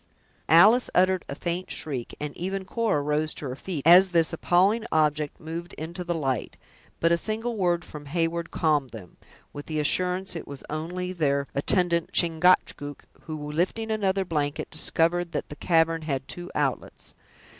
Alice uttered a faint shriek, and even Cora rose to her feet, as this appalling object moved into the light; but a single word from Heyward calmed them, with the assurance it was only their attendant, Chingachgook, who, lifting another blanket, discovered that the cavern had two outlets.